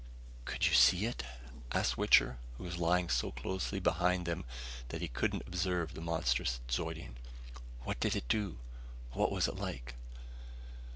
"Could you see it?" asked Wichter, who was lying so closely behind him that he couldn't observe the monstrous Zeudian. "What did it do? What was it like?"